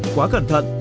quá cẩn thận